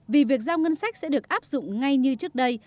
vì việc giao ngân sách sẽ được áp dụng ngay như trước đây